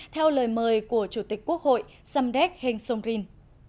theo lời mời của chủ tịch quốc hội samdek heng somrin